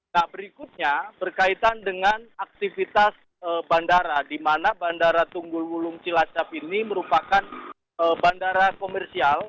nah berikutnya berkaitan dengan aktivitas bandara di mana bandara tunggul wulung cilacap ini merupakan bandara komersial